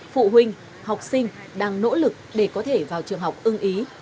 phụ huynh học sinh đang nỗ lực để có thể vào trường học ưng ý